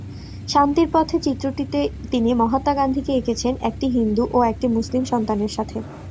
শান্তির পথে চিত্রটিতে তিনি মহাত্মা গান্ধীকে এঁকেছেন একটি হিন্দু ও একটি মুসলিম সন্তানের সাথে।